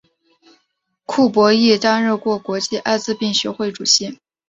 库珀亦担任过国际艾滋病学会主席。